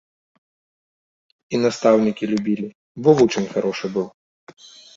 І настаўнікі любілі, бо вучань харошы быў.